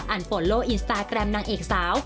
โฟนโลอินสตาแกรมนางเอกสาว